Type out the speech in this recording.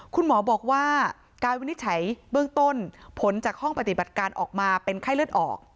คุณหมอบอกว่าการวินิจฉัยเบื้องต้นผลจากห้องปฏิบัติการออกมาเป็นไข้เลือดออก